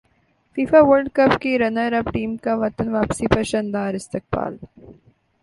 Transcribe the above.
FIFA World cup کی runner up team کا وطن واپسی پر شاندار استقبال